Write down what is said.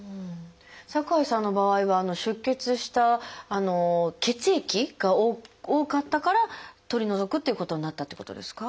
酒井さんの場合は出血した血液が多かったから取り除くっていうことになったっていうことですか？